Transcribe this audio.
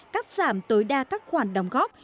cắt giảm tối đa các khoản đóng góp